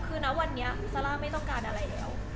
คือนะวันนี้ซาร่าไม่ต้องการอะไรแล้ว